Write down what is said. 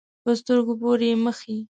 په سترګو پورې یې مښي.